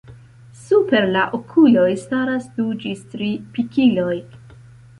Super la okuloj staras du ĝis tri pikiloj.